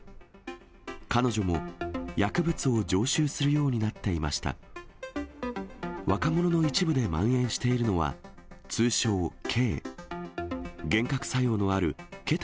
彼女も、薬物を常習するようになっていました。